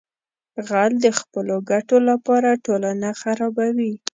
غل د خپلو ګټو لپاره ټولنه خرابوي